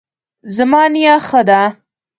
زما نیا ښه ده